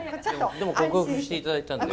でも克服して頂いたんで。